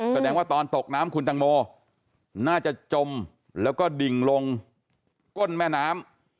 แสดงว่าตอนตกน้ำคุณตังโมน่าจะจมแล้วก็ดิ่งลงก้นแม่น้ำ